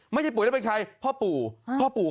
ไม่ใช่ปุ๋ยแล้วเป็นใครพ่อปู่